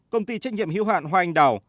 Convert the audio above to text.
công ty trách nhiệm hưu hạn hoa anh đào